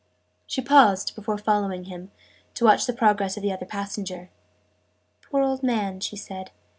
She paused, before following him, to watch the progress of the other passenger. "Poor old man!" she said.